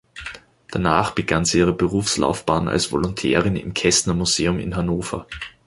Danach begann sie ihre Berufslaufbahn als Volontärin im Kestner-Museum in Hannover.